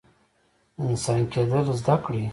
انسان کیدل زده کړئ